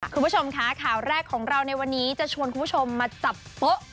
คุณผู้ชมค่ะข่าวแรกของเราในวันนี้จะชวนคุณผู้ชมมาจับโป๊ะ